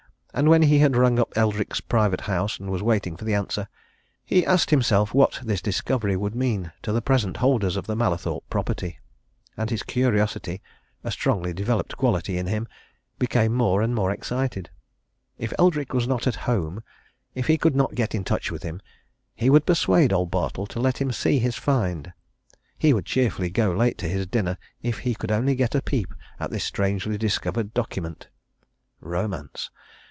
And when he had rung up Eldrick's private house and was waiting for the answer, he asked himself what this discovery would mean to the present holders of the Mallathorpe property, and his curiosity a strongly developed quality in him became more and more excited. If Eldrick was not at home, if he could not get in touch with him, he would persuade old Bartle to let him see his find he would cheerfully go late to his dinner if he could only get a peep at this strangely discovered document. Romance!